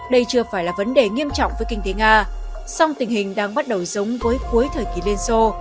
đây chưa phải là vấn đề nghiêm trọng với kinh tế nga song tình hình đang bắt đầu giống với cuối thời kỳ liên xô